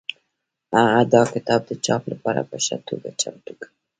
هغه دا کتاب د چاپ لپاره په ښه توګه چمتو کړ.